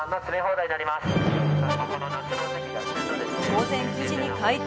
午前９時に開店。